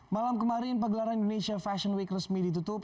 malam kemarin pegelaran indonesia fashion week resmi ditutup